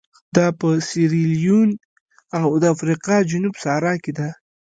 دا په سیریلیون او د افریقا جنوب صحرا کې ده.